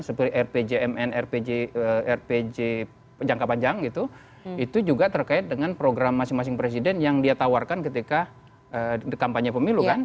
seperti rpjmn rpj jangka panjang gitu itu juga terkait dengan program masing masing presiden yang dia tawarkan ketika kampanye pemilu kan